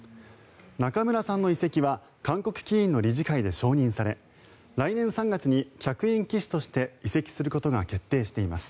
仲邑さんの移籍は韓国棋院の理事会で承認され来年３月に客員棋士として移籍することが決定しています。